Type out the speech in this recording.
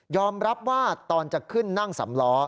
รับว่าตอนจะขึ้นนั่งสำล้อ